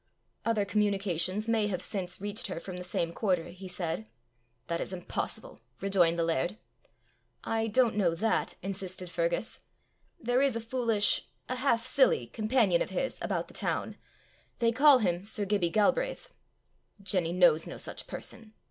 "Other communications may have since reached her from the same quarter," he said. "That is impossible," rejoined the laird. "I don't know that," insisted Fergus. "There is a foolish a half silly companion of his about the town. They call him Sir Gibbie Galbraith." "Jenny knows no such person."